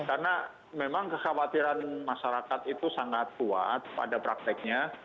karena memang kekhawatiran masyarakat itu sangat kuat pada prakteknya